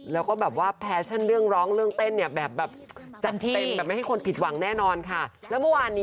แล้วก็แบบว่าแฟชั่นเรื่องร้องเรื่องเต้นเนี่ยแบบแบบ